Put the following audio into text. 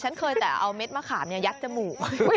ฉันเคยแต่เอาเม็ดมะขามเนี่ยยัดเจ้าหมู